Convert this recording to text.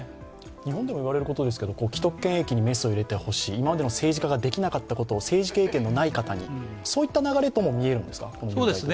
日本で言われることですけど、既得権益にメスを入れてほしい、今までの政治家ができなかったことを、政治経験のない方に、そういった流れとも見えるんですが。